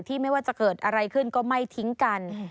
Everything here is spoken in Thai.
ไม่ว่าจะเกิดอะไรขึ้นก็ไม่ทิ้งกัน